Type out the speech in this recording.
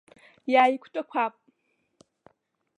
Иааиқәтәақәап.